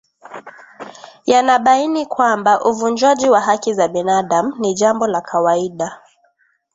yanabaini kwamba uvunjwaji wa haki za binaadam ni jambo la kawaida